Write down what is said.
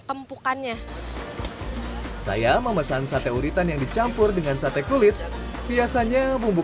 empukannya saya memesan sate uritan yang dicampur dengan sate kulit biasanya bumbu